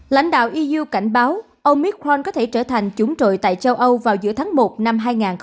lãnh đạo eu cảnh báo omicron có thể trở thành chủng trội tại châu âu vào giữa tháng một năm hai nghìn hai mươi hai